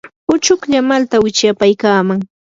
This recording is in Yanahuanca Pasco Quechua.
uchuklla malta wichyapaykaaman.